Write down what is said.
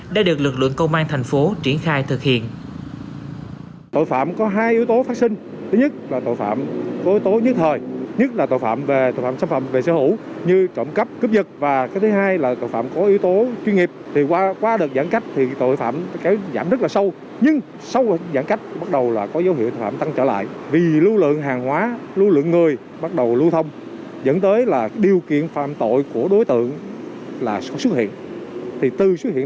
đã được lực lượng công an tp hcm triển khai thực hiện